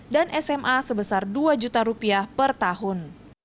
dan sma sebesar rp dua juta per tahun